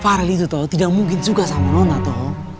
farhal itu toh tidak mungkin suka sama nona toh